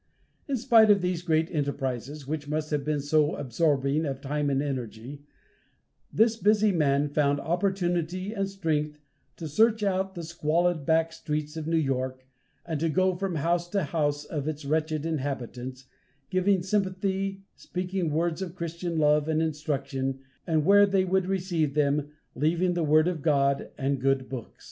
In spite of these great enterprises, which must have been so absorbing of time and energy, this busy man found opportunity and strength to search out the squalid back streets of New York, and to go from house to house of its wretched inhabitants, giving sympathy, speaking words of Christian love and instruction, and where they would receive them leaving the word of God and good books.